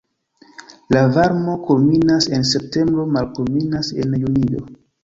La varmo kulminas en septembro, malkulminas en junio.